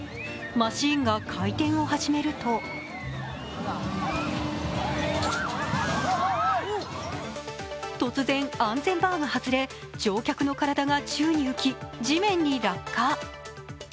マシーンが回転を始めると突然、安全バーが外れ、乗客の体が宙に浮き地面に落下。